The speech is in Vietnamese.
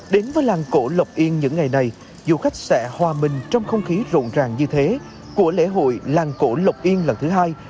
đến với làng cổ lộc yên những ngày này du khách sẽ hòa mình trong không khí rộn ràng như thế của lễ hội làng cổ lộc yên lần thứ hai